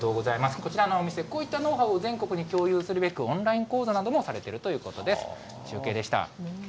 こちらのお店、こういったノウハウを全国に共有するべく、オンライン講座などもされているということです。